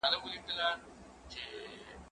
زه ليکنې نه کوم؟